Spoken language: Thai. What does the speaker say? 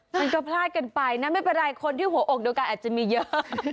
มันก็พลาดกันไปนะไม่เป็นไรคนที่หัวอกเดียวกันอาจจะมีเยอะ